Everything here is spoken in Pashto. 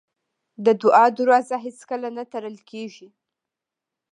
د دعا دروازه هېڅکله نه تړل کېږي.